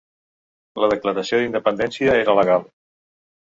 La declaració d'independència era legal.